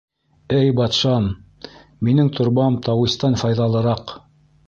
— Эй батшам, минең торбам тауистан файҙалыраҡ.